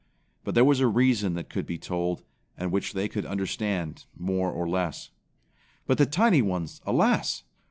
But there was a reason that could be told, and which they could understand more or less. But the tiny ones, alas!